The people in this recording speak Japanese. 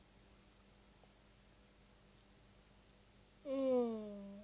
うん。